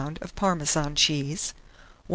of Parmesan cheese, 1/4 lb.